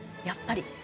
やっぱり。